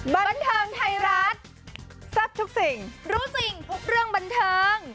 บันเทิงไทยรัฐแซ่บทุกสิ่งรู้จริงทุกเรื่องบันเทิง